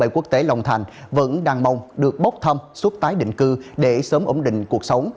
quốc tế long thành vẫn đang mong được bốc thăm suốt tái định cư để sớm ổn định cuộc sống